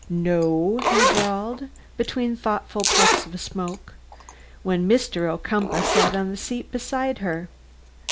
"No," he drawled, between thoughtful puffs of smoke; "when Mr. Ocumpaugh sat on the seat beside her.